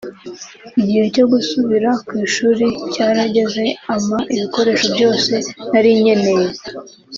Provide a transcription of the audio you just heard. Igihe cyo gusubira ku ishuli cyarageze ampa ibikoresho byose nari nkeneye